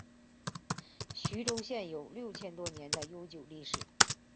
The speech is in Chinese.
徐州具有六千多年悠久的历史。